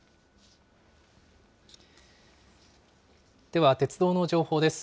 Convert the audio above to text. では鉄道の情報です。